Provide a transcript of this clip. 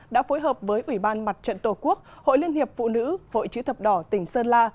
đã phối hợp với ủy ban mặt trận tổ quốc hội liên hiệp phụ nữ hội chữ thập đỏ tỉnh sơn la